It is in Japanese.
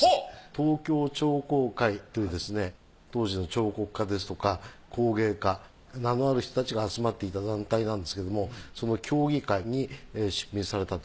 東京彫工会というですね当時の彫刻家ですとか工芸家名のある人たちが集まっていた団体なんですけどもその競技会に出品されたと。